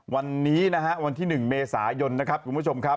วันนี้นะฮะวันที่๑เมษายนนะครับคุณผู้ชมครับ